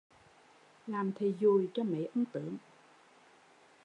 Làm thầy dùi cho mấy ông tướng